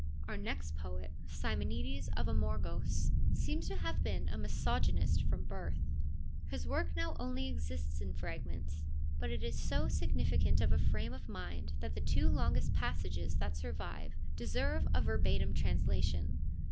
Our next poet, Simonides of Amorgos, seems to have been a misogynist from birth. His work now only exists in fragments, but it is so significant of a frame of mind that the two longest passages that survive deserve a verbatim translation.